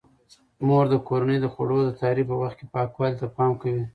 مور د کورنۍ د خوړو د تیاري په وخت پاکوالي ته پام کوي.